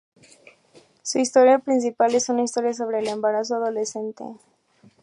Su historia principal es una historia sobre el embarazo adolescente.